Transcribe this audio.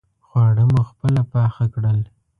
خواړه مو خپله پاخه کړل.